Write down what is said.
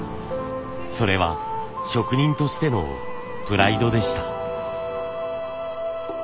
それは職人としてのプライドでした。